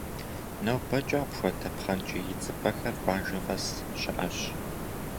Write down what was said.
Нобэкӏэ апхуэдэ пхъэнкӏий идзыпӏэхэр къуажэ къэс щыӏэщ.